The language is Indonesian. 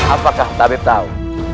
apakah tabib tahu